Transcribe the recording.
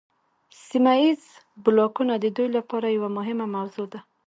سیمه ایز بلاکونه د دوی لپاره یوه مهمه موضوع ده